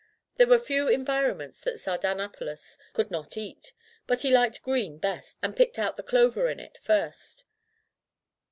There were few environments that Sardan apalus could not eat, but he liked green best, and picked out the clover in it first.